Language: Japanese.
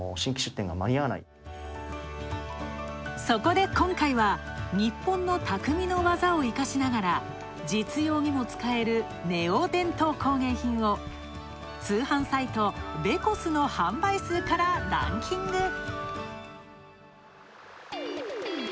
そこで今回は、日本の巧みの技を生かしながら、実用にも使えるネオ伝統工芸品を通販サイト、ベコスの販売数からランキング。